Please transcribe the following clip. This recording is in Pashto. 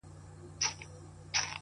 د هدو لورې تا د خلکو په مخ کار وتړی!